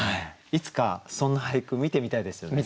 いつかそんな俳句見てみたいですよね